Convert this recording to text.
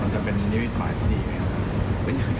มันจะเป็นนิมิตหมายที่ดีไหมครับ